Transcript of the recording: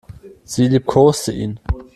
Sie liebkoste ihn.